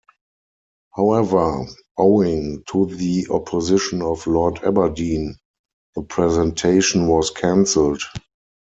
However, owing to the opposition of Lord Aberdeen, the presentation was cancelled.